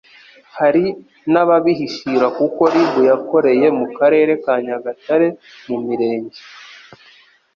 hari n'ababihishira kuko RIB yakoreye mu Karere ka Nyagatare mu mirenge